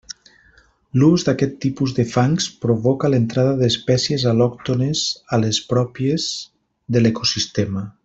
L'ús d'aquest tipus de fangs provoca l'entrada d'espècies al·lòctones a les pròpies de l'ecosistema.